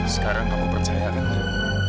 sekarang kamu percayakan aku